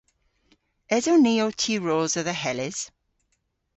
Eson ni ow tiwrosa dhe Hellys?